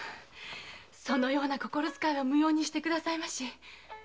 そのような心遣いは無用にして下さいまし。